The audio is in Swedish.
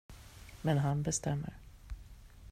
Men han bestämmer.